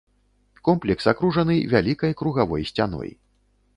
Комплекс акружаны вялікай кругавой сцяной.